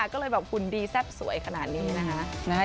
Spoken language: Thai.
ก็เลยแบบหุ่นดีแซ่บสวยขนาดนี้นะคะ